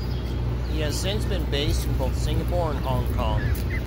He has since been based in both Singapore and Hong Kong.